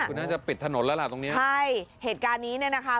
คือน่าจะปิดถนนแล้วล่ะตรงเนี้ยใช่เหตุการณ์นี้เนี่ยนะคะ